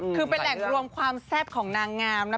คือเป็นแหล่งรวมความแซ่บของนางงามนะ